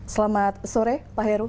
selamat sore pak heru